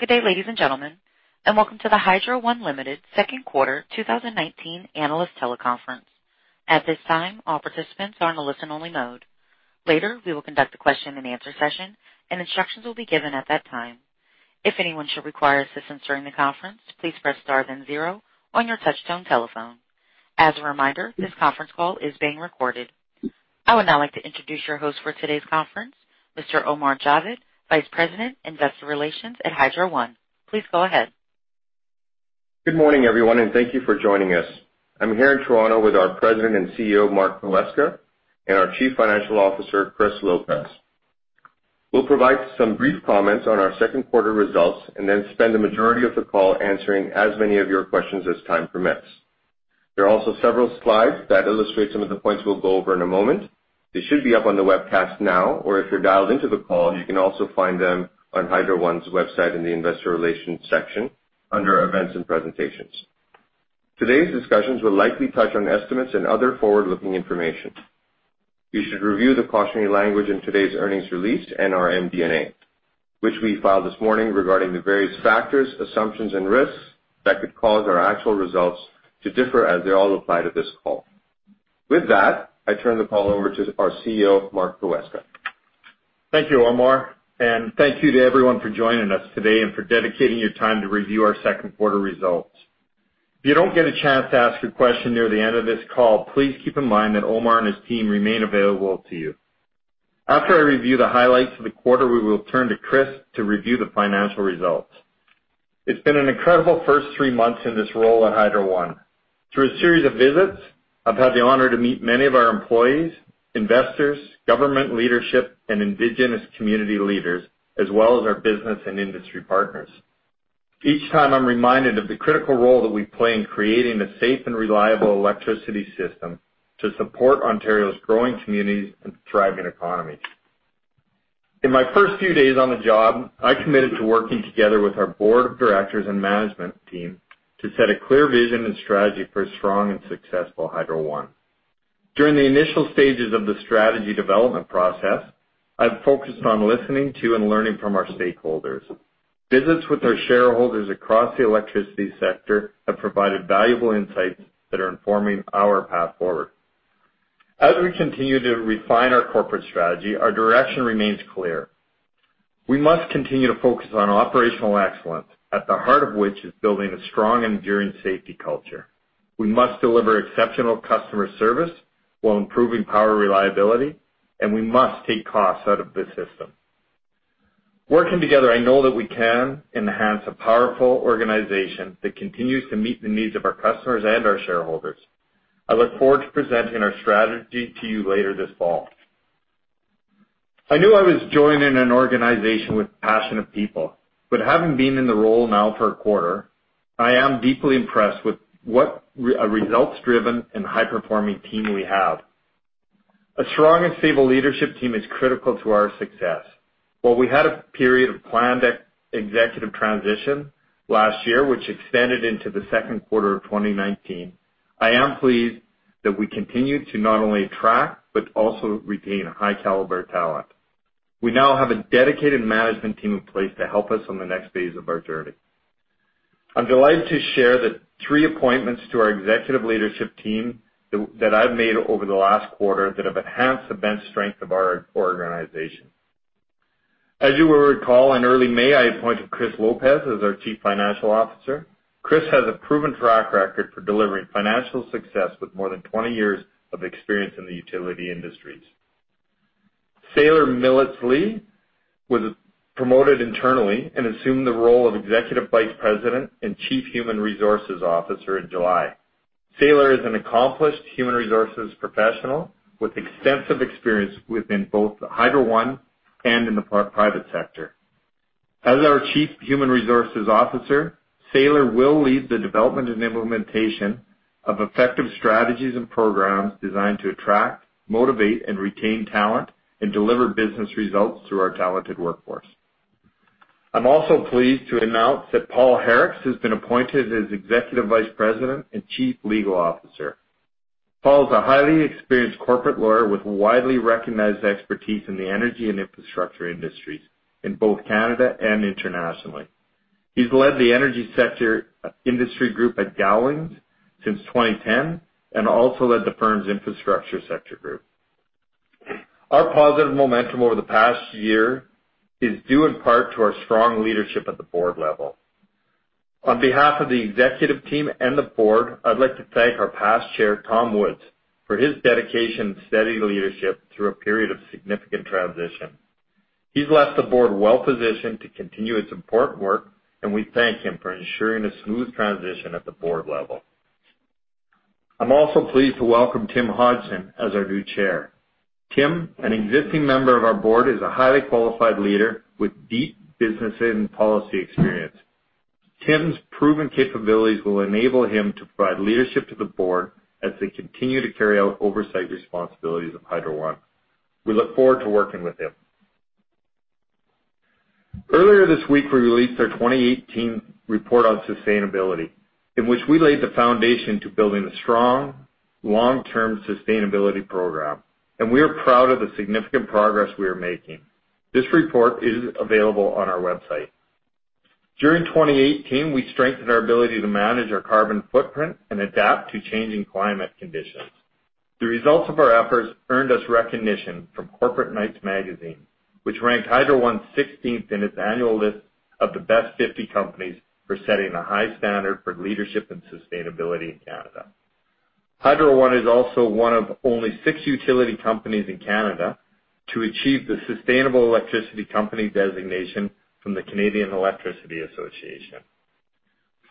Good day, ladies and gentlemen, and welcome to the Hydro One Limited second quarter 2019 analyst teleconference. At this time, all participants are in a listen-only mode. Later, we will conduct a question-and-answer session, and instructions will be given at that time. If anyone should require assistance during the conference, please press star then zero on your touchtone telephone. As a reminder, this conference call is being recorded. I would now like to introduce your host for today's conference, Mr. Omar Javed, Vice President, Investor Relations at Hydro One. Please go ahead. Good morning, everyone, and thank you for joining us. I'm here in Toronto with our President and CEO, Mark Poweska, and our Chief Financial Officer, Chris Lopez. We'll provide some brief comments on our second quarter results and then spend the majority of the call answering as many of your questions as time permits. There are also several slides that illustrate some of the points we'll go over in a moment. They should be up on the webcast now, or if you're dialed into the call, you can also find them on Hydro One's website in the investor relations section under events and presentations. Today's discussions will likely touch on estimates and other forward-looking information. You should review the cautionary language in today's earnings release and our MD&A, which we filed this morning, regarding the various factors, assumptions, and risks that could cause our actual results to differ as they all apply to this call. With that, I turn the call over to our CEO, Mark Poweska. Thank you, Omar, and thank you to everyone for joining us today and for dedicating your time to review our second quarter results. If you don't get a chance to ask a question near the end of this call, please keep in mind that Omar and his team remain available to you. After I review the highlights of the quarter, we will turn to Chris to review the financial results. It's been an incredible first three months in this role at Hydro One. Through a series of visits, I've had the honor to meet many of our employees, investors, government leadership, and indigenous community leaders, as well as our business and industry partners. Each time I'm reminded of the critical role that we play in creating a safe and reliable electricity system to support Ontario's growing communities and thriving economy. In my first few days on the job, I committed to working together with our board of directors and management team to set a clear vision and strategy for a strong and successful Hydro One. During the initial stages of the strategy development process, I've focused on listening to and learning from our stakeholders. Visits with our shareholders across the electricity sector have provided valuable insights that are informing our path forward. As we continue to refine our corporate strategy, our direction remains clear. We must continue to focus on operational excellence, at the heart of which is building a strong and enduring safety culture. We must deliver exceptional customer service while improving power reliability, and we must take costs out of the system. Working together, I know that we can enhance a powerful organization that continues to meet the needs of our customers and our shareholders. I look forward to presenting our strategy to you later this fall. I knew I was joining an organization with passionate people, but having been in the role now for a quarter, I am deeply impressed with what a results-driven and high-performing team we have. A strong and stable leadership team is critical to our success. While we had a period of planned executive transition last year, which extended into the second quarter of 2019, I am pleased that we continue to not only attract but also retain a high-caliber talent. We now have a dedicated management team in place to help us on the next phase of our journey. I'm delighted to share that three appointments to our executive leadership team that I've made over the last quarter that have enhanced the bench strength of our organization. As you will recall, in early May, I appointed Chris Lopez as our Chief Financial Officer. Chris has a proven track record for delivering financial success with more than 20 years of experience in the utility industries. Saylor Millitz-Lee was promoted internally and assumed the role of Executive Vice President and Chief Human Resources Officer in July. Saylor Millitz-Lee is an accomplished human resources professional with extensive experience within both Hydro One and in the private sector. As our Chief Human Resources Officer, Saylor Millitz-Lee will lead the development and implementation of effective strategies and programs designed to attract, motivate, and retain talent, and deliver business results through our talented workforce. I'm also pleased to announce that Paul Harricks has been appointed as Executive Vice President and Chief Legal Officer. Paul is a highly experienced corporate lawyer with widely recognized expertise in the energy and infrastructure industries in both Canada and internationally. He's led the energy sector industry group at Gowling WLG since 2010 and also led the firm's infrastructure sector group. Our positive momentum over the past year is due in part to our strong leadership at the Board level. On behalf of the executive team and the Board, I'd like to thank our past Chair, Tom Woods, for his dedication and steady leadership through a period of significant transition. He's left the Board well-positioned to continue its important work, and we thank him for ensuring a smooth transition at the Board level. I'm also pleased to welcome Tim Hodgson as our new Chair. Tim, an existing member of our Board, is a highly qualified leader with deep business and policy experience. Tim's proven capabilities will enable him to provide leadership to the board as they continue to carry out oversight responsibilities of Hydro One. We look forward to working with him. Earlier this week, we released our 2018 report on sustainability, in which we laid the foundation to building a strong long-term sustainability program, and we are proud of the significant progress we are making. This report is available on our website. During 2018, we strengthened our ability to manage our carbon footprint and adapt to changing climate conditions. The results of our efforts earned us recognition from Corporate Knights magazine, which ranked Hydro One 16th in its annual list of the best 50 companies for setting a high standard for leadership and sustainability in Canada. Hydro One is also one of only six utility companies in Canada to achieve the Sustainable Electricity Company designation from the Canadian Electricity Association.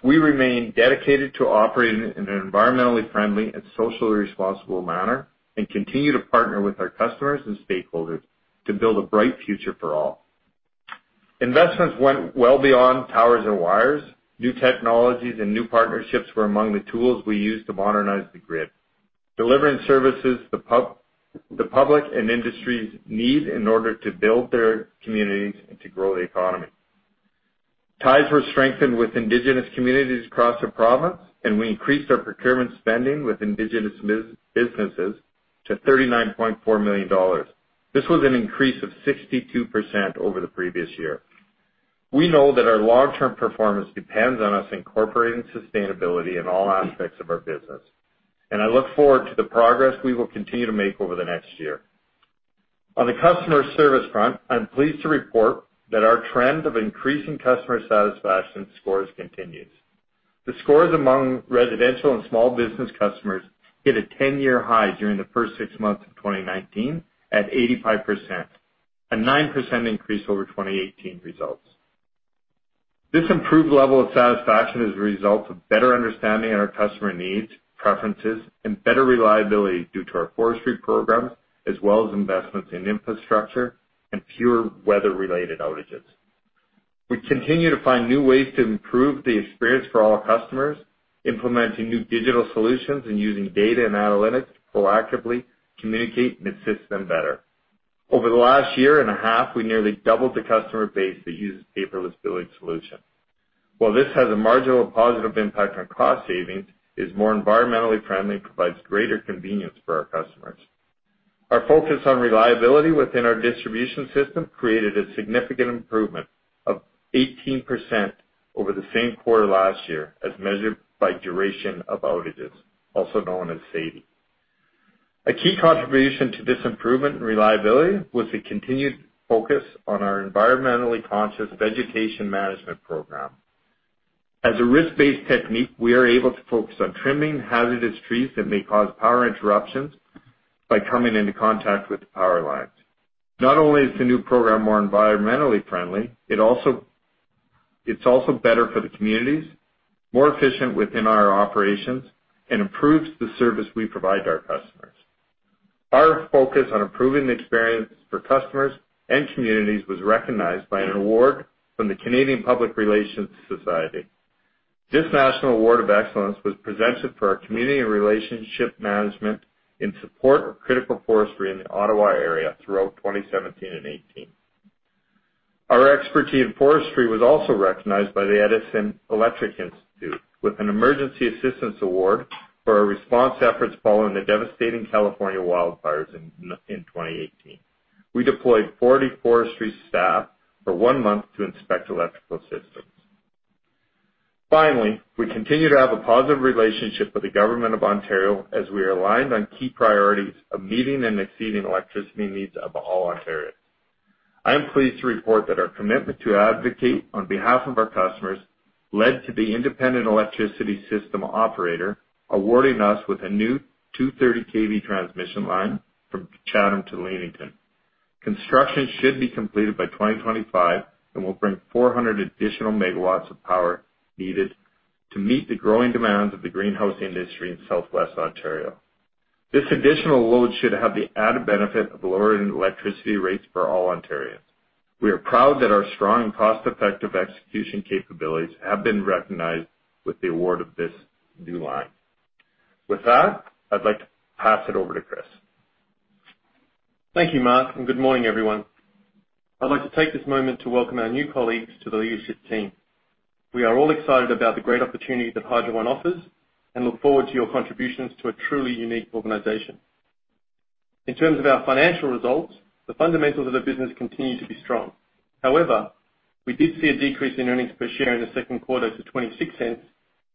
We remain dedicated to operating in an environmentally friendly and socially responsible manner and continue to partner with our customers and stakeholders to build a bright future for all. Investments went well beyond poles and wires. New technologies and new partnerships were among the tools we used to modernize the grid, delivering services the public and industries need in order to build their communities and to grow the economy. Ties were strengthened with Indigenous communities across the province, and we increased our procurement spending with Indigenous businesses to 39.4 million dollars. This was an increase of 62% over the previous year. We know that our long-term performance depends on us incorporating sustainability in all aspects of our business, and I look forward to the progress we will continue to make over the next year. On the customer service front, I'm pleased to report that our trend of increasing customer satisfaction scores continues. The scores among residential and small business customers hit a 10-year high during the first six months of 2019 at 85%, a 9% increase over 2018 results. This improved level of satisfaction is a result of better understanding our customer needs, preferences, and better reliability due to our forestry program, as well as investments in infrastructure and fewer weather-related outages. We continue to find new ways to improve the experience for all our customers, implementing new digital solutions and using data and analytics to proactively communicate and assist them better. Over the last year and a half, we nearly doubled the customer base that uses paperless billing solution. While this has a marginal positive impact on cost saving, it's more environmentally friendly and provides greater convenience for our customers. Our focus on reliability within our distribution system created a significant improvement of 18% over the same quarter last year, as measured by duration of outages, also known as SAIDI. A key contribution to this improvement in reliability was the continued focus on our environmentally conscious vegetation management program. As a risk-based technique, we are able to focus on trimming hazardous trees that may cause power interruptions by coming into contact with the power lines. Not only is the new program more environmentally friendly, it's also better for the communities, more efficient within our operations, and improves the service we provide to our customers. Our focus on improving the experience for customers and communities was recognized by an award from the Canadian Public Relations Society. This national award of excellence was presented for our community and relationship management in support of critical forestry in the Ottawa area throughout 2017 and 2018. Our expertise in forestry was also recognized by the Edison Electric Institute with an Emergency Assistance Award for our response efforts following the devastating California wildfires in 2018. We deployed 40 forestry staff for one month to inspect electrical systems. Finally, we continue to have a positive relationship with the Government of Ontario as we are aligned on key priorities of meeting and exceeding electricity needs of all Ontarians. I am pleased to report that our commitment to advocate on behalf of our customers led to the Independent Electricity System Operator awarding us with a new 230 kV transmission line from Chatham to Leamington. Construction should be completed by 2025 and will bring 400 additional MW of power needed to meet the growing demands of the greenhouse industry in Southwest Ontario. This additional load should have the added benefit of lowering electricity rates for all Ontarians. We are proud that our strong cost-effective execution capabilities have been recognized with the award of this new line. With that, I'd like to pass it over to Chris. Thank you, Mark, and good morning, everyone. I'd like to take this moment to welcome our new colleagues to the leadership team. We are all excited about the great opportunity that Hydro One offers and look forward to your contributions to a truly unique organization. In terms of our financial results, the fundamentals of the business continue to be strong. However, we did see a decrease in earnings per share in the second quarter to 0.26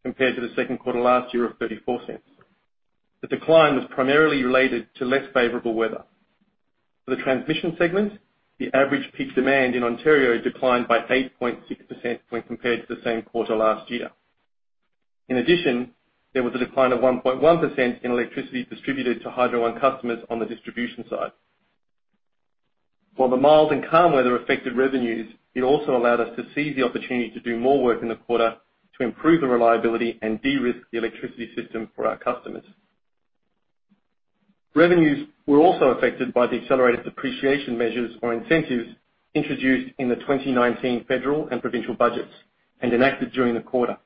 compared to the second quarter last year of 0.34. The decline was primarily related to less favorable weather. For the transmission segment, the average peak demand in Ontario declined by 8.6% when compared to the same quarter last year. In addition, there was a decline of 1.1% in electricity distributed to Hydro One customers on the distribution side. While the mild and calm weather affected revenues, it also allowed us to seize the opportunity to do more work in the quarter to improve the reliability and de-risk the electricity system for our customers. Revenues were also affected by the accelerated depreciation measures or incentives introduced in the 2019 federal and provincial budgets and enacted during the quarter.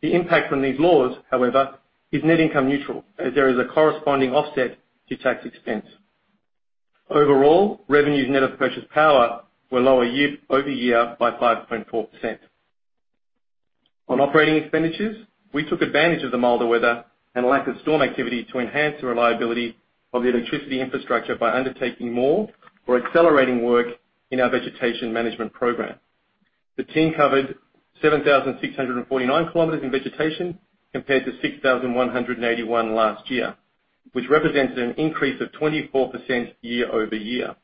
The impact from these laws, however, is net income neutral, as there is a corresponding offset to tax expense. Overall, revenues net of purchase power were lower year-over-year by 5.4%. On operating expenditures, we took advantage of the milder weather and lack of storm activity to enhance the reliability of the electricity infrastructure by undertaking more or accelerating work in our vegetation management program. The team covered 7,649 km in vegetation compared to 6,181 last year, which represents an increase of 24% year-over-year.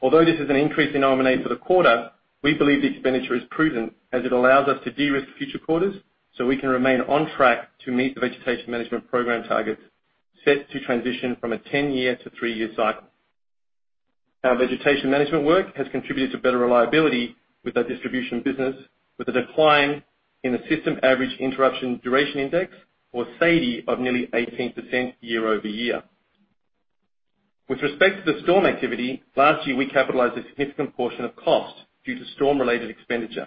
Although this is an increase in non-OM&A for the quarter, we believe the expenditure is prudent as it allows us to de-risk future quarters so we can remain on track to meet the vegetation management program targets set to transition from a 10-year to three-year cycle. Our vegetation management work has contributed to better reliability with our distribution business, with a decline in the system average interruption duration index, or SAIDI, of nearly 18% year-over-year. With respect to the storm activity, last year, we capitalized a significant portion of costs due to storm-related expenditure.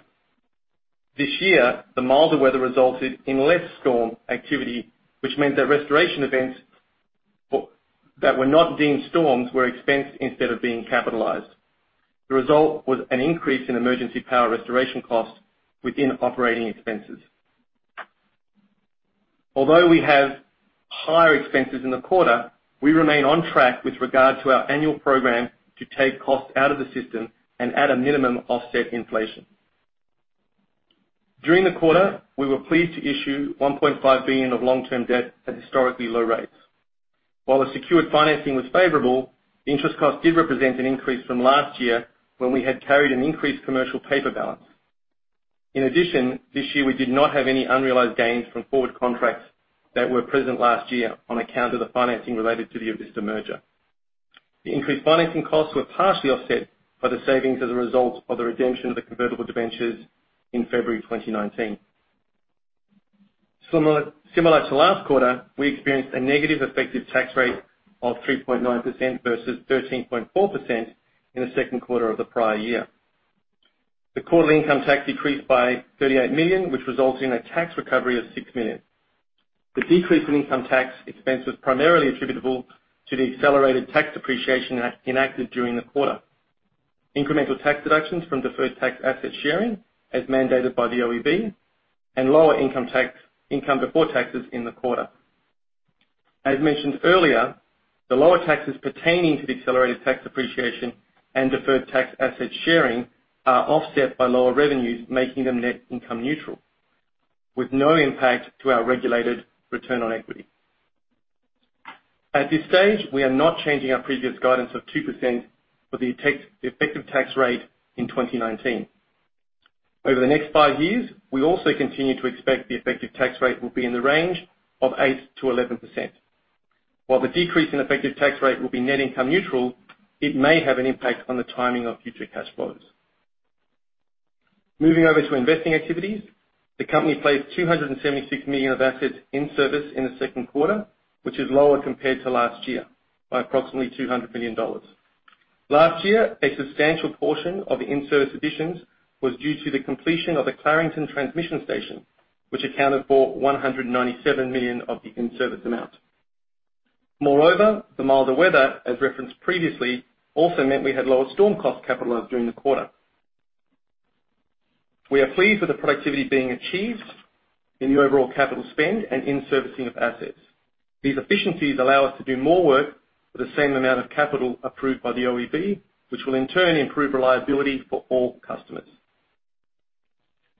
This year, the milder weather resulted in less storm activity, which meant that restoration events that were not deemed storms were expensed instead of being capitalized. The result was an increase in emergency power restoration costs within operating expenses. Although we have higher expenses in the quarter, we remain on track with regard to our annual program to take costs out of the system and at a minimum, offset inflation. During the quarter, we were pleased to issue 1.5 billion of long-term debt at historically low rates. While the secured financing was favorable, the interest cost did represent an increase from last year when we had carried an increased commercial paper balance. In addition, this year, we did not have any unrealized gains from forward contracts that were present last year on account of the financing related to the Avista merger. The increased financing costs were partially offset by the savings as a result of the redemption of the convertible debentures in February 2019. Similar to last quarter, we experienced a negative effective tax rate of 3.9% versus 13.4% in the second quarter of the prior year. The quarterly income tax decreased by 38 million, which results in a tax recovery of 6 million. The decrease in income tax expense was primarily attributable to the accelerated tax depreciation enacted during the quarter, incremental tax deductions from deferred tax asset sharing, as mandated by the OEB, and lower income before taxes in the quarter. As mentioned earlier, the lower taxes pertaining to the accelerated tax depreciation and deferred tax asset sharing are offset by lower revenues, making them net income neutral, with no impact to our regulated return on equity. At this stage, we are not changing our previous guidance of 2% for the effective tax rate in 2019. Over the next five years, we also continue to expect the effective tax rate will be in the range of 8%-11%. While the decrease in effective tax rate will be net income neutral, it may have an impact on the timing of future cash flows. Moving over to investing activities, the company placed 276 million of assets in service in the second quarter, which is lower compared to last year by approximately 200 million dollars. Last year, a substantial portion of the in-service additions was due to the completion of the Clarington transmission station, which accounted for 197 million of the in-service amount. Moreover, the milder weather, as referenced previously, also meant we had lower storm costs capitalized during the quarter. We are pleased with the productivity being achieved in the overall capital spend and in-servicing of assets. These efficiencies allow us to do more work with the same amount of capital approved by the OEB, which will in turn improve reliability for all customers.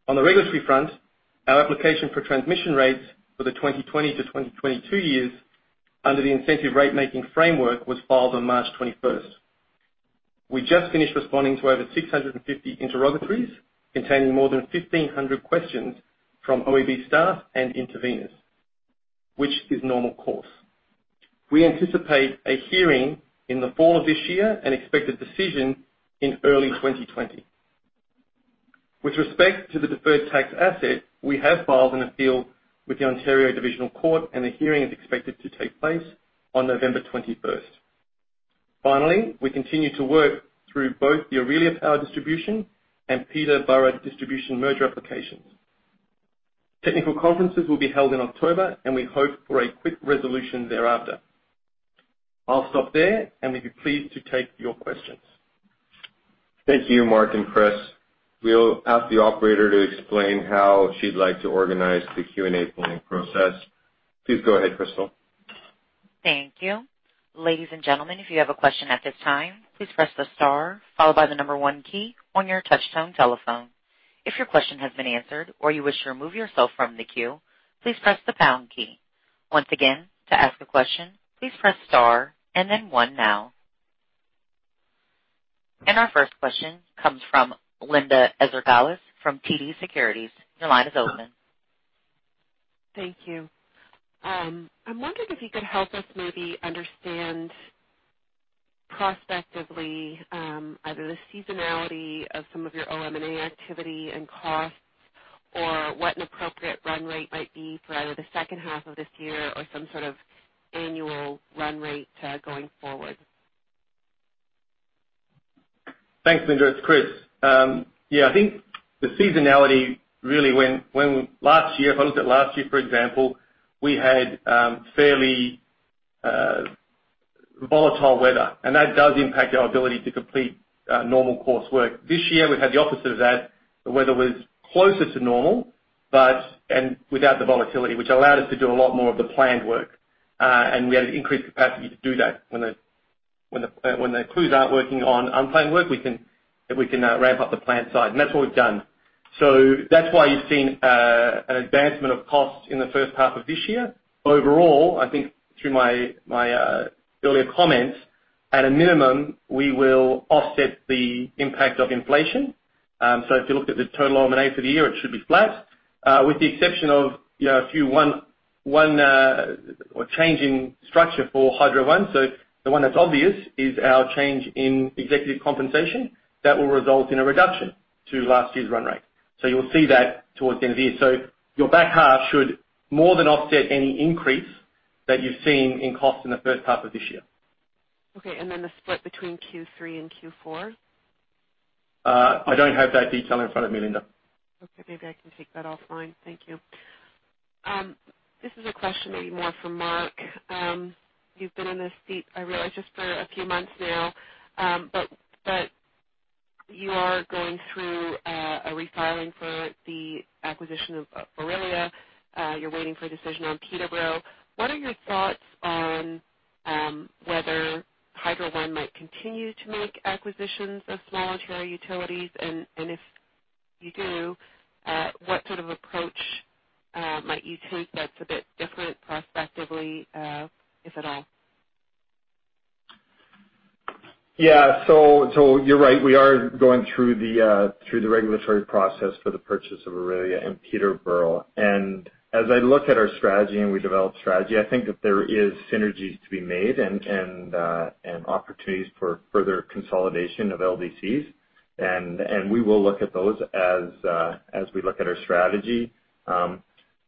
On the regulatory front, our application for transmission rates for the 2020-2022 years under the incentive rate-making framework was filed on March 21st. We just finished responding to over 650 interrogatories containing more than 1,500 questions from OEB staff and interveners, which is normal course. We anticipate a hearing in the fall of this year and an expected decision in early 2020. With respect to the deferred tax asset, we have filed an appeal with the Ontario Divisional Court, and a hearing is expected to take place on November 21st. Finally, we continue to work through both the Orillia Power Distribution and Peterborough Distribution merger applications. Technical conferences will be held in October, and we hope for a quick resolution thereafter. I'll stop there, and we'd be pleased to take your questions. Thank you, Mark and Chris. We'll ask the operator to explain how she'd like to organize the Q&A polling process. Please go ahead, Crystal. Thank you. Ladies and gentlemen if you have a question at this time please press the star followed by the number one on your touchtone telephone. If your ,question has been answered, or you wish to remove yourself from the queue, please press the pound key. Once again to ask a question, please press star and then one now. Our first question comes from Linda Ezergailis from TD Securities. Your line is open. Thank you. I'm wondering if you could help us maybe understand prospectively either the seasonality of some of your OM&A activity and costs or what an appropriate run rate might be for either the second half of this year or some sort of annual run rate going forward? Thanks, Linda. It's Chris. Yeah, I think the seasonality really went. If I looked at last year, for example, we had fairly volatile weather, and that does impact our ability to complete normal coursework. This year, we've had the opposite of that. The weather was closer to normal, and without the volatility, which allowed us to do a lot more of the planned work. We had an increased capacity to do that. When the crews aren't working on unplanned work, we can ramp up the planned side, and that's what we've done. That's why you've seen an advancement of costs in the first half of this year. Overall, I think through my earlier comments, at a minimum, we will offset the impact of inflation. If you looked at the total OM&A for the year, it should be flat. With the exception of a few one-off changes in structure for Hydro One. The one that's obvious is our change in executive compensation, that will result in a reduction to last year's run rate. You'll see that towards the end of the year. Our back half should more than offset any increase that you've seen in costs in the first half of this year. Okay, the split between Q3 and Q4? I don't have that detail in front of me, Linda. Okay. Maybe I can take that offline. Thank you. This is a question maybe more for Mark. You've been in this seat, I realize, just for a few months now. But you are going through a refiling for the acquisition of Orillia. You're waiting for a decision on Peterborough. What are your thoughts on whether Hydro One might continue to make acquisitions of small Ontario utilities? If you do, what sort of approach might you take that's a bit different prospectively, if at all? Yeah. You're right, we are going through the regulatory process for the purchase of Orillia and Peterborough. As I look at our strategy and we develop strategy, I think that there is synergies to be made and opportunities for further consolidation of LDCs. We will look at those as we look at our strategy.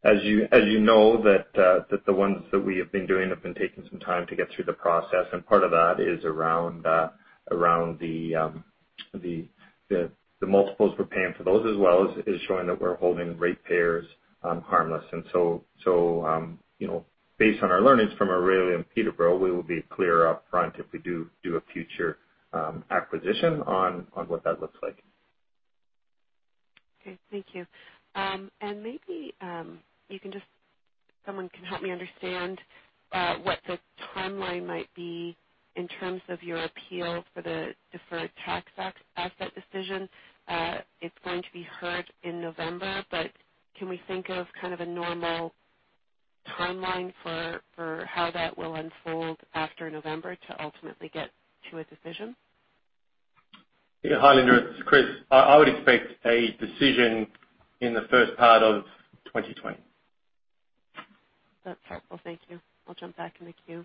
As you know, that the ones that we have been doing have been taking some time to get through the process, and part of that is around the multiples we're paying for those, as well as is showing that we're holding rate payers harmless. Based on our learnings from Orillia and Peterborough, we will be clear upfront if we do a future acquisition on what that looks like. Okay, thank you. Maybe if someone can help me understand what the timeline might be in terms of your appeal for the deferred tax asset decision. It's going to be heard in November, but can we think of kind of a normal timeline for how that will unfold after November to ultimately get to a decision? Yeah. Hi, Linda. It's Chris. I would expect a decision in the first part of 2020. That's helpful. Thank you. I'll jump back in the queue.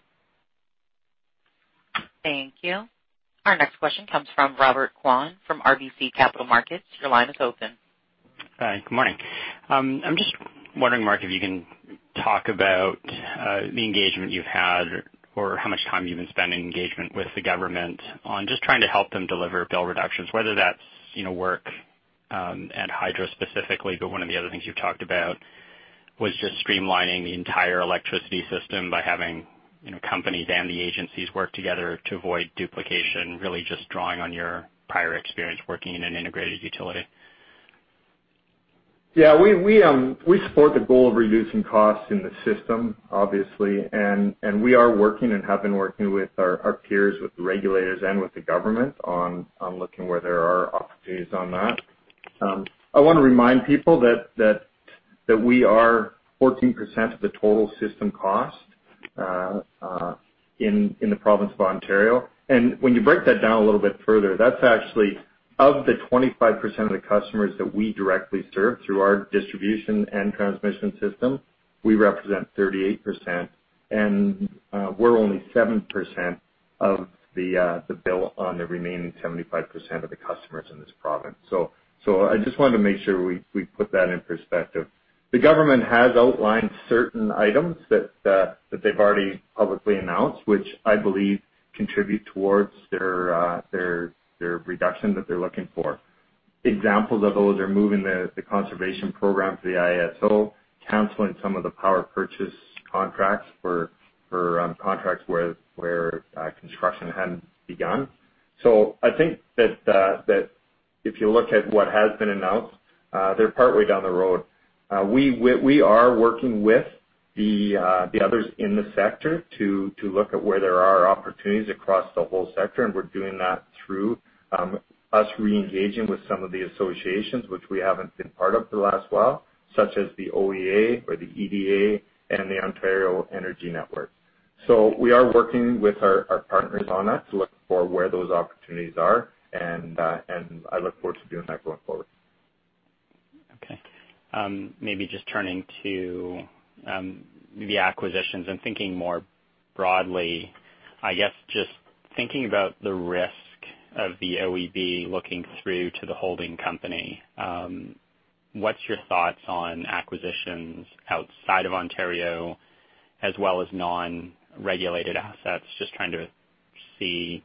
Thank you. Our next question comes from Robert Kwan from RBC Capital Markets. Your line is open. Hi, good morning. I'm just wondering, Mark, if you can talk about the engagement you've had or how much time you've been spending on engagement with the government on just trying to help them deliver bill reductions, whether that's work at Hydro specifically, but one of the other things you've talked about was just streamlining the entire electricity system by having companies and the agencies work together to avoid duplication, really just drawing on your prior experience working in an integrated utility. Yeah. We support the goal of reducing costs in the system obviously. We are working and have been working with our peers, with the regulators, and with the government on looking where there are opportunities on that. I want to remind people that we are 14% of the total system cost in the province of Ontario. When you break that down a little bit further, that's actually of the 25% of the customers that we directly serve through our distribution and transmission system, we represent 38%, and we're only 7% of the bill on the remaining 75% of the customers in this province. I just wanted to make sure we put that in perspective. The government has outlined certain items that they've already publicly announced, which I believe contribute towards their reduction that they're looking for. Examples of those are moving the conservation program to the IESO, canceling some of the power purchase contracts for contracts where construction hadn't begun. I think that if you look at what has been announced, they're partway down the road. We are working with the others in the sector to look at where there are opportunities across the whole sector, and we're doing that through our reengaging with some of the associations which we haven't been part of for the last while, such as the OEA or the EDA and the Ontario Energy Network. We are working with our partners on that to look for where those opportunities are, and I look forward to doing that going forward. Okay. Maybe just turning to the acquisitions and thinking more broadly, I guess just thinking about the risk of the OEB looking through to the holding company. What's your thoughts on acquisitions outside of Ontario as well as non-regulated assets? Just trying to see,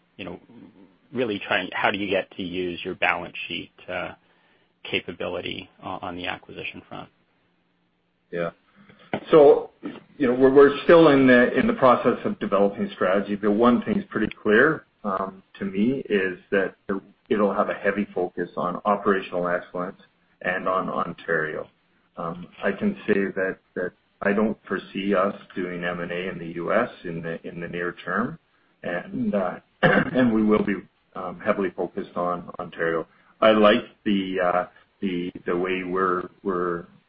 really trying, how do you get to use your balance sheet, capability on the acquisition front? Yeah. We're still in the process of developing strategy, but one thing's pretty clear to me is that it'll have a heavy focus on operational excellence and on Ontario. I can say that I don't foresee us doing M&A in the U.S. in the near term. We will be heavily focused on Ontario. I like the way we're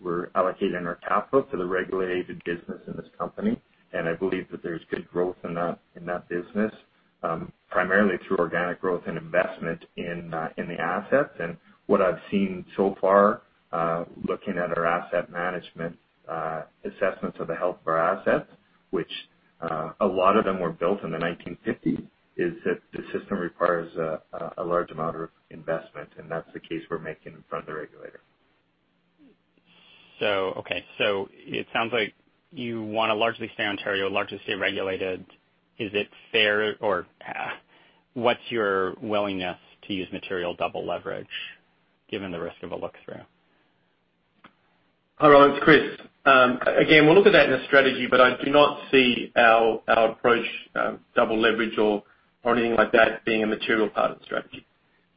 allocating our capital to the regulated business in this company, and I believe that there's good growth in that business, primarily through organic growth and investment in the assets. What I've seen so far, looking at our asset management assessments of the health of our assets, which a lot of them were built in the 1950s, is that the system requires a large amount of investment, and that's the case we're making in front of the regulator. Okay. It sounds like you want to largely stay Ontario, largely stay regulated. Is it fair or what's your willingness to use material double leverage given the risk of a look-through? Hold on. It's Chris. Again, we'll look at that in a strategy, but I do not see our approach, double leverage or anything like that, being a material part of the strategy.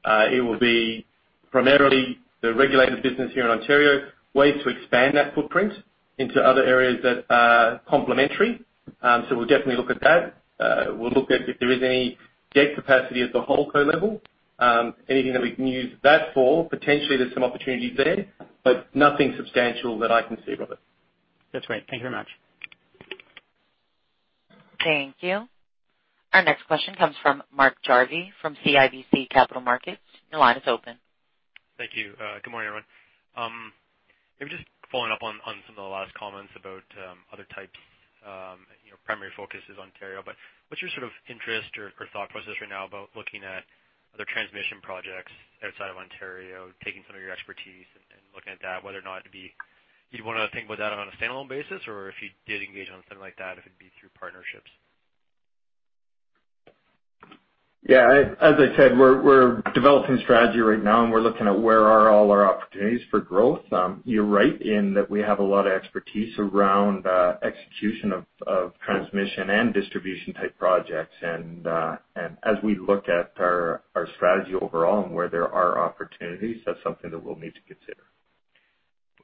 It will be primarily the regulated business here in Ontario, ways to expand that footprint into other areas that are complementary. We'll definitely look at that. We'll look at if there is any debt capacity at the holding co level, anything that we can use that for. Potentially there's some opportunities there, but nothing substantial that I can see, Robert. That's great. Thank you very much. Thank you. Our next question comes from Mark Jarvi from CIBC Capital Markets. Your line is open. Thank you. Good morning, everyone. Maybe just following up on some of the last comments about other types. Primary focus is Ontario, but what's your sort of interest or thought process right now about looking at other transmission projects outside of Ontario, taking some of your expertise and looking at that. Do you want to think about that on a standalone basis, or if you did engage on something like that, if it'd be through partnerships? Yeah. As I said, we're developing strategy right now, and we're looking at where are all our opportunities for growth. You're right in that we have a lot of expertise around execution of transmission and distribution-type projects. As we look at our strategy overall and where there are opportunities, that's something that we'll need to consider.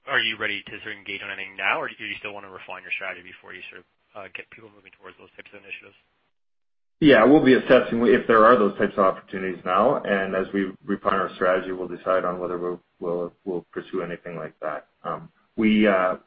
Are you ready to sort of engage on anything now, or do you still want to refine your strategy before you sort of get people moving towards those types of initiatives? Yeah, we'll be assessing if there are those types of opportunities now, and as we refine our strategy, we'll decide on whether we'll pursue anything like that. We are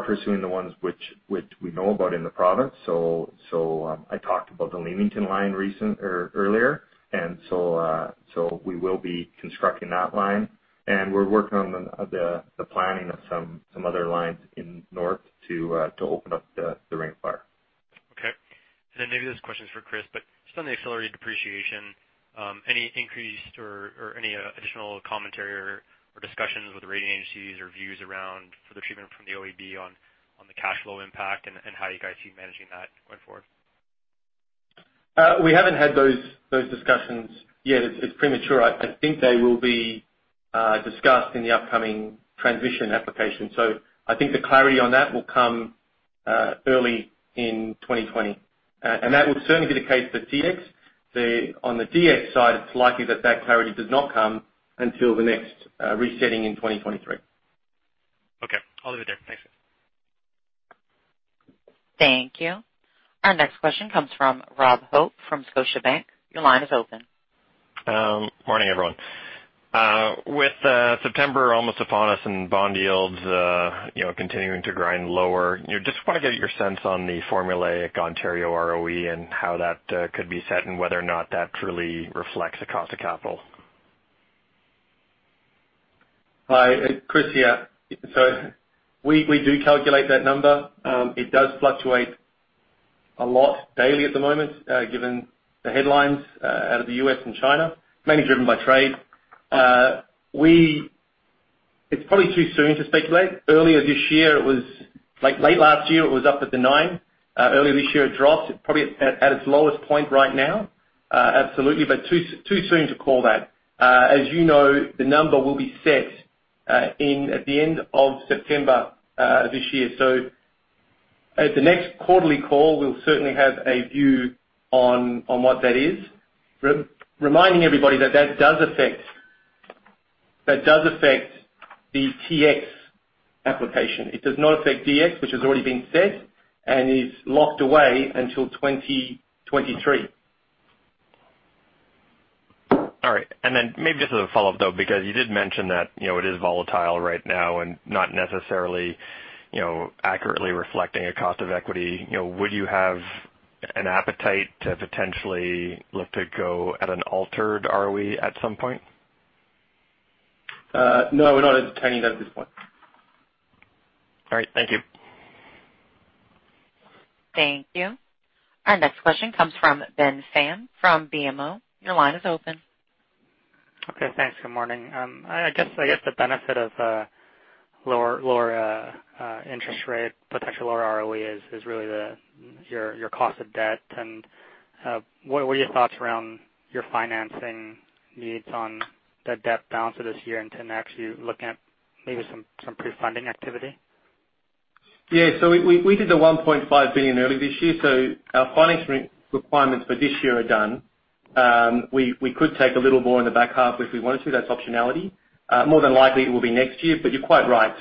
pursuing the ones which we know about in the province. I talked about the Leamington line recently or earlier, and so we will be constructing that line, and we're working on the planning of some other lines in North to open up the Ring of Fire. Okay. Maybe this question is for Chris, but just on the accelerated depreciation, any increased or any additional commentary or discussions with the rating agencies or views around for the treatment from the OEB on the cash flow impact and how you guys see managing that going forward? We haven't had those discussions yet. It's premature. I think they will be discussed in the upcoming transition application. I think the clarity on that will come early in 2020. That would certainly be the case for TX. On the DX side, it's likely that that clarity does not come until the next resetting in 2023. Okay. I'll leave it there. Thanks. Thank you. Our next question comes from Robert Hope from Scotiabank. Your line is open. Morning, everyone. With September almost upon us and bond yields continuing to grind lower, just want to get your sense on the formulaic Ontario ROE and how that could be set, and whether or not that truly reflects the cost of capital. Hi, Chris here. We do calculate that number. It does fluctuate a lot daily at the moment, given the headlines out of the U.S. and China, mainly driven by trade. It's probably too soon to speculate. Late last year, it was up at the nine. Earlier this year, it dropped. It's probably at its lowest point right now. Absolutely. Too soon to call that. As you know, the number will be set then at the end of September this year. At the next quarterly call, we'll certainly have a view on what that is. Reminding everybody that that does affect the TX application. It does not affect DX, which has already been set and is locked away until 2023. All right. Maybe just as a follow-up, though, because you did mention that it is volatile right now and not necessarily accurately reflecting a cost of equity, would you have an appetite to potentially look to go at an altered ROE at some point? No, we're not entertaining that at this point. All right. Thank you. Thank you. Our next question comes from Ben Pham from BMO. Your line is open. Okay. Thanks. Good morning. I guess, the benefit of a lower interest rate, potential lower ROE is really your cost of debt. What are your thoughts around your financing needs on the debt balance for this year into next year, looking at maybe some pre-funding activity? Yeah. We did the 1.5 billion early this year, so our financing requirements for this year are done. We could take a little more in the back half if we wanted to. That's optionality. More than likely it will be next year, but you're quite right.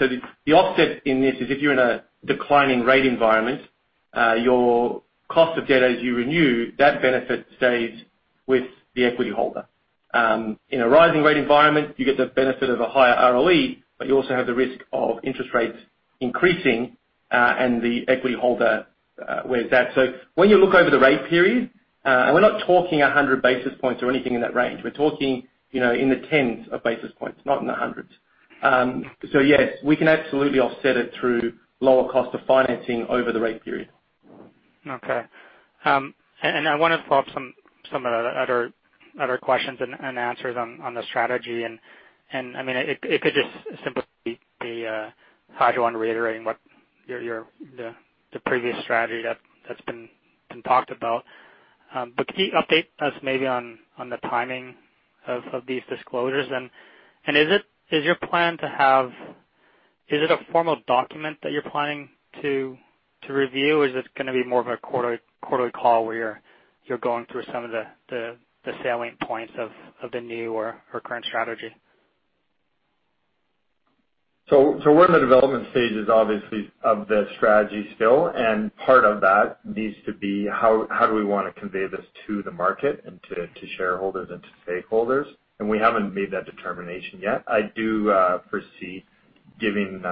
The offset in this is if you're in a declining rate environment, your cost of debt as you renew, that benefit stays with the equity holder. In a rising rate environment, you get the benefit of a higher ROE, but you also have the risk of interest rates increasing, and the equity holder wears that. When you look over the rate period, and we're not talking 100 basis points or anything in that range, we're talking in the tens of basis points, not in the hundreds. Yes, we can absolutely offset it through lower cost of financing over the rate period. Okay. I want to follow up some of the other questions and answers on the strategy. It could just simply be how you want reiterating what the previous strategy that's been talked about. Could you update us maybe on the timing of these disclosures? Is it a formal document that you're planning to review, or is this going to be more of a quarterly call where you're going through some of the salient points of the new or current strategy? We're in the development stages, obviously, of the strategy still, and part of that needs to be how do we want to convey this to the market and to shareholders and to stakeholders. We haven't made that determination yet. I do foresee giving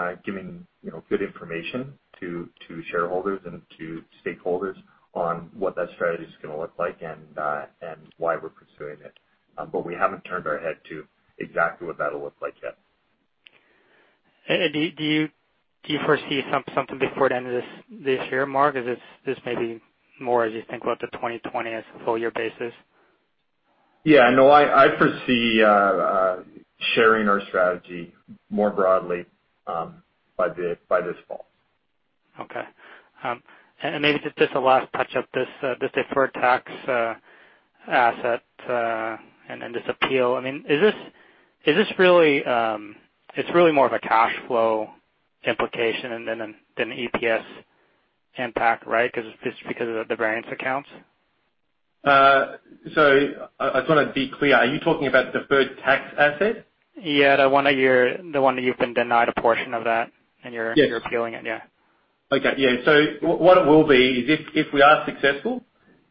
good information to shareholders and to stakeholders on what that strategy is going to look like and why we're pursuing it. We haven't turned our head to exactly what that'll look like yet. Do you foresee something before the end of this year, Mark? Is this maybe more as you think about the 2020 as a full year basis? Yeah, no, I foresee sharing our strategy more broadly by this fall. Okay. Maybe just a last touch up, this deferred tax asset, and this appeal. It's really more of a cash flow implication than an EPS impact, right? Because of the variance accounts? I just want to be clear, are you talking about deferred tax asset? Yeah. The one that you've been denied a portion of that, and you're Yes You're appealing it. Yeah. Okay. Yeah. What it will be is if we are successful,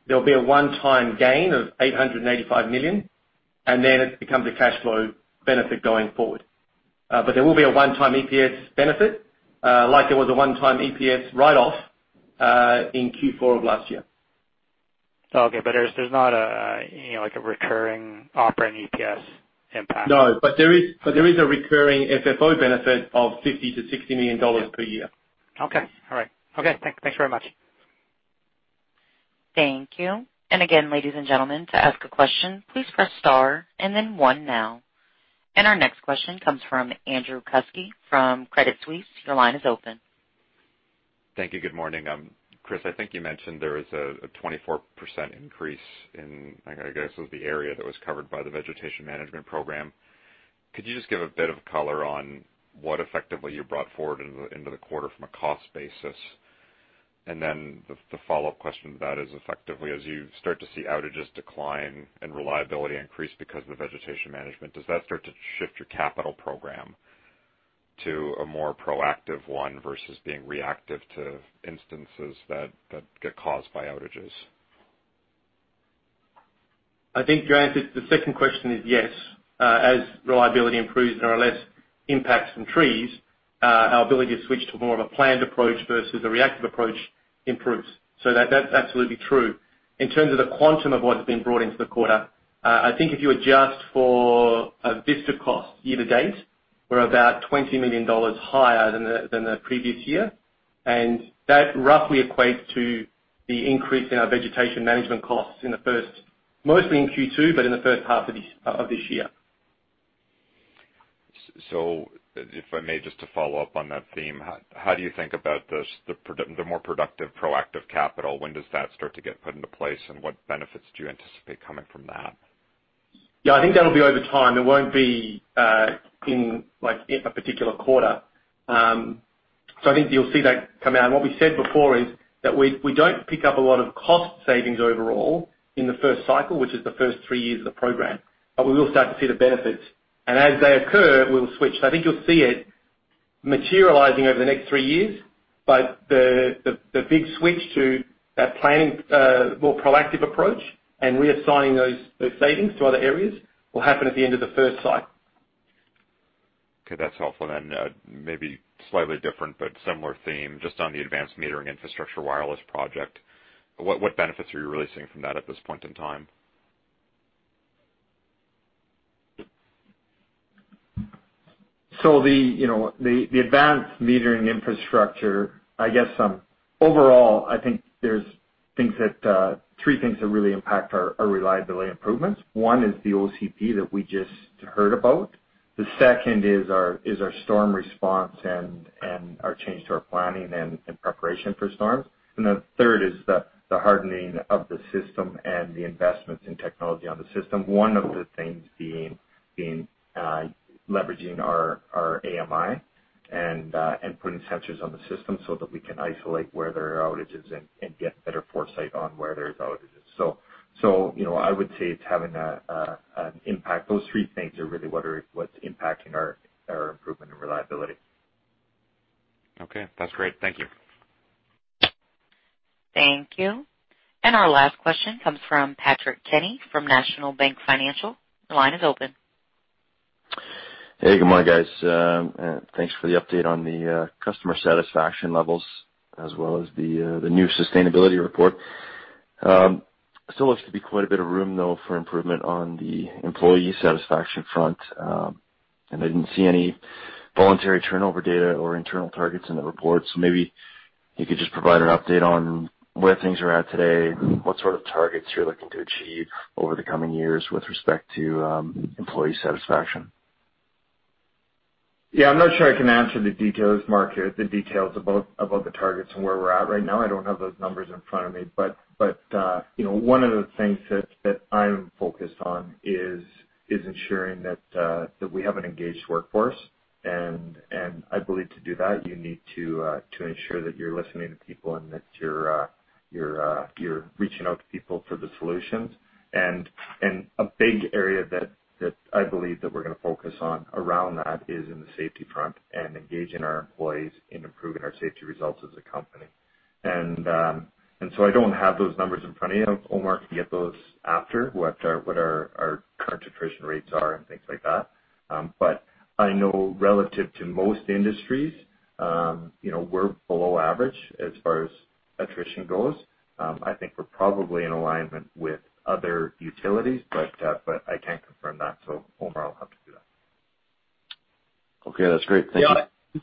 there'll be a one-time gain of 885 million, and then it becomes a cash flow benefit going forward. There will be a one-time EPS benefit, like there was a one-time EPS write-off in Q4 of last year. Okay. There's not a recurring operating EPS impact. No, there is a recurring FFO benefit of 50 million-60 million dollars per year. Okay. All right. Okay, thanks very much. Thank you. Again, ladies and gentlemen, to ask a question, please press star and then one now. Our next question comes from Andrew Kuske from Credit Suisse. Your line is open. Thank you. Good morning. Chris, I think you mentioned there was a 24% increase in, I guess it was the area that was covered by the vegetation management program. Could you just give a bit of color on what effectively you brought forward into the quarter from a cost basis? The follow-up question to that is effectively, as you start to see outages decline and reliability increase because of the vegetation management, does that start to shift your capital program to a more proactive one versus being reactive to instances that get caused by outages? I think your answer to the second question is yes. As reliability improves and there are less impacts from trees, our ability to switch to more of a planned approach versus a reactive approach improves. That's absolutely true. In terms of the quantum of what's been brought into the quarter, I think if you adjust for Avista costs year to date, we're about 20 million dollars higher than the previous year, and that roughly equates to the increase in our vegetation management costs mostly in Q2, but in the first half of this year. If I may, just to follow up on that theme, how do you think about the more productive proactive capital? When does that start to get put into place, and what benefits do you anticipate coming from that? Yeah, I think that'll be over time. It won't be in a particular quarter. I think you'll see that come out. What we said before is that we don't pick up a lot of cost savings overall in the first cycle, which is the first three years of the program, but we will start to see the benefits. As they occur, we'll switch. I think you'll see it materializing over the next three years, but the big switch to that planning, more proactive approach and reassigning those savings to other areas will happen at the end of the first cycle. Okay, that's helpful, then. Maybe slightly different but similar theme, just on the advanced metering infrastructure wireless project. What benefits are you really seeing from that at this point in time? The advanced metering infrastructure, I guess overall, I think there's three things that really impact our reliability improvements. One is the OCP that we just heard about. The second is our storm response and our change to our planning and preparation for storms. The third is the hardening of the system and the investments in technology on the system. One of the things being leveraging our AMI and putting sensors on the system so that we can isolate where there are outages and get better foresight on where there's outages. I would say it's having an impact. Those three things are really what's impacting our improvement in reliability. Okay. That's great. Thank you. Thank you. Our last question comes from Patrick Kenny from National Bank Financial. Your line is open. Hey, good morning, guys. Thanks for the update on the customer satisfaction levels as well as the new sustainability report. Still looks to be quite a bit of room, though, for improvement on the employee satisfaction front. I didn't see any voluntary turnover data or internal targets in the report. Maybe you could just provide an update on where things are at today, what sort of targets you're looking to achieve over the coming years with respect to employee satisfaction. Yeah, I'm not sure I can answer the details, Mark, here, the details about the targets and where we're at right now. I don't have those numbers in front of me. One of the things that I'm focused on is ensuring that we have an engaged workforce. I believe to do that, you need to ensure that you're listening to people and that you're reaching out to people for the solutions. A big area that I believe that we're going to focus on around that is in the safety front and engaging our employees in improving our safety results as a company. I don't have those numbers in front of me. Omar can get those after, what our current attrition rates are and things like that. I know relative to most industries, we're below average as far as attrition goes. I think we're probably in alignment with other utilities, but I can't confirm that. Omar will have to do that. Okay. That's great. Thank you.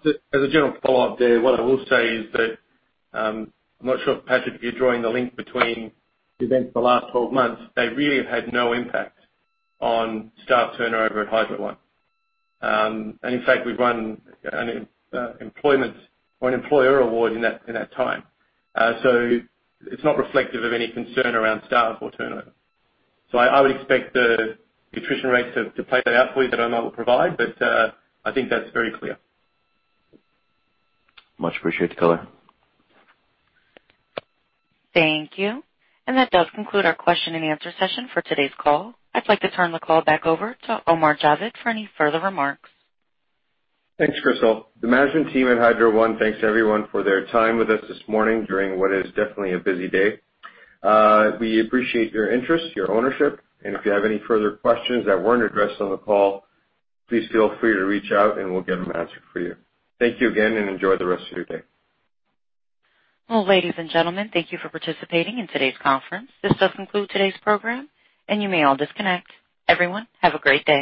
Yeah. As a general follow-up there, what I will say is that I'm not sure if, Patrick, if you're drawing the link between events the last 12 months, they really have had no impact on staff turnover at Hydro One. In fact, we've won an employer award in that time. It's not reflective of any concern around staff or turnover. I would expect the attrition rates to play that out for you that Omar will provide, but I think that's very clear. Much appreciated, Chris Lopez. Thank you. That does conclude our question-and-answer session for today's call. I'd like to turn the call back over to Omar Javed for any further remarks. Thanks, Crystal. The management team at Hydro One thanks everyone for their time with us this morning during what is definitely a busy day. We appreciate your interest, your ownership, and if you have any further questions that weren't addressed on the call, please feel free to reach out and we'll get them answered for you. Thank you again, and enjoy the rest of your day. Well, ladies and gentlemen, thank you for participating in today's conference. This does conclude today's program, and you may all disconnect. Everyone, have a great day.